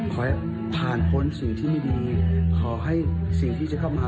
ขอให้ผ่านพ้นสิ่งที่ไม่ดีขอให้สิ่งที่จะเข้ามา